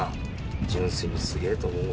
純粋にすげぇと思うわ。